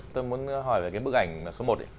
tôi muốn hỏi về cái bức ảnh số một